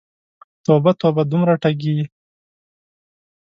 توبه، توبه، دومره ټګې!